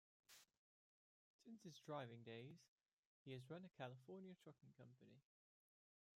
Since his driving days, he has run a California trucking company.